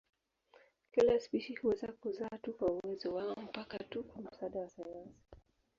Kila spishi huweza kuzaa tu kwa uwezo wao mpaka tu kwa msaada wa sayansi.